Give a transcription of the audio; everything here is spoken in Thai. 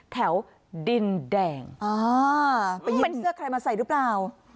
แถวดินแดงมันยิ้มเสื้อใครมาใส่รึเปล่า